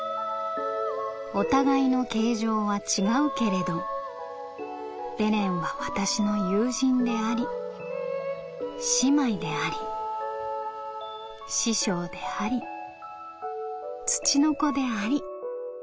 お互いの形状は違うけれどベレンは私の友人であり姉妹であり師匠であり『つちのこ』であり。